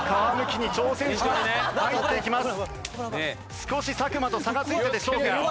少し作間と差がついたでしょうか？